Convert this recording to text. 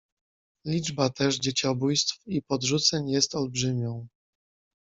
"Liczba też dzieciobójstw i podrzuceń jest olbrzymią."